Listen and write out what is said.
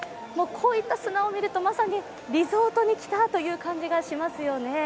こういった砂を見ると、まさにリゾートに来たという感じがしますよね。